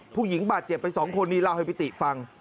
ผู้หญิงบาดเจ็บไป๒คนนี้เล่าให้พี่ติฟัง